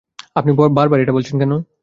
আপনি বারবার এটা বলছেন কেন?